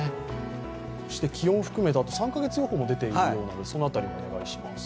そして気温含めて３か月予報も出ているようなのでその辺りもお願いします。